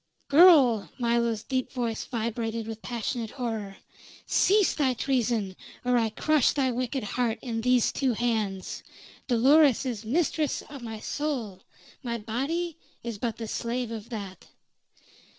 "Girl!" Milo's deep voice vibrated with passionate horror. "Cease thy treason, or I crush thy wicked heart in these two hands. Dolores is mistress of my soul my body is but the slave of that."